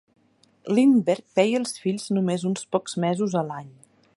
Lindbergh veia els fills només uns pocs mesos a l'any.